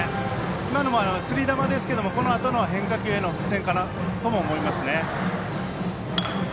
今のも、つり球ですけどこのあとの変化球への伏線かなとも思いますね。